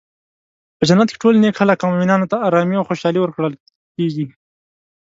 په جنت کې ټول نیک خلک او مومنانو ته ارامي او خوشحالي ورکړل کیږي.